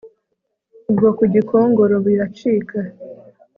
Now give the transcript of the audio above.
Ubwo ku Gikongoro biracika